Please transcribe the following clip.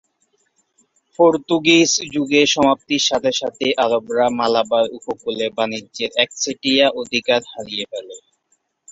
Portuguese যুগের সমাপ্তির সাথে সাথে আরবরা মালাবার উপকূলে বাণিজ্যের একচেটিয়া অধিকার হারিয়ে ফেলে।